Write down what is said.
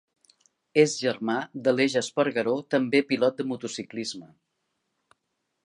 És germà d'Aleix Espargaró, també pilot de motociclisme.